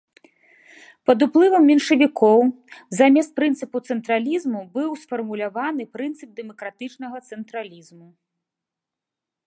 Пад уплывам меншавікоў замест прынцыпу цэнтралізму быў сфармуляваны прынцып дэмакратычнага цэнтралізму.